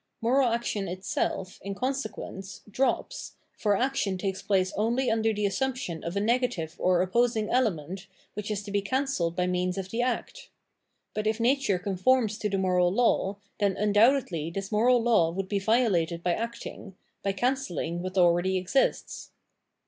Moral action itself, in consequence, drops, for action takes place only under the assumption of a negative or op posing element which is to be cancelled by means of the act. But if nature conforms to the moral law, then undoubtedly this moral law would be violated by acting, by cancelling what already exists.